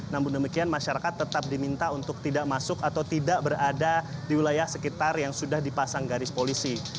namun demikian masyarakat tetap diminta untuk tidak masuk atau tidak berada di wilayah sekitar yang sudah dipasang garis polisi